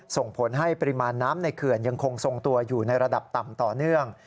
ส่งผลให้ปริมาณน้ำในเขื่อนยังคงทรงตัวอยู่ในระดับต่ำต่อเนื่อง